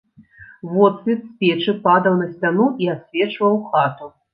Водсвет з печы падаў на сцяну і асвечваў хату.